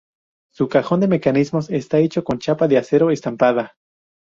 Su cajón de mecanismos está hecho con chapa de acero estampada.